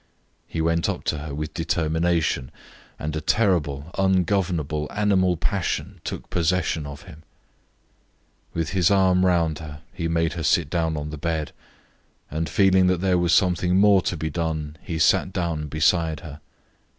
He went up to her with determination and a terrible, ungovernable animal passion took possession of him. With his arm round he made her sit down on the bed; and feeling that there was something more to be done he sat down beside her.